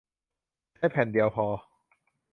ใช้แผ่นเดียวพอ